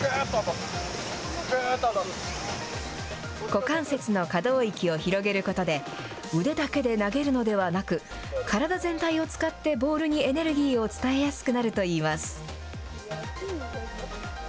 股関節の可動域を広げることで、腕だけで投げるのではなく、体全体を使ってボールにエネルギーを伝えやすくなるといいます。